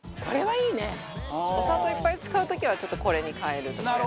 お砂糖いっぱい使う時はちょっとこれに代えるとか。